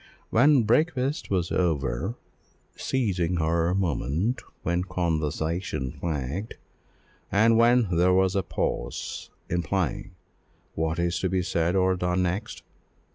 When breakfast was over, seizing her moment when conversation flagged, and when there was a pause, implying "What is to be said or done next?"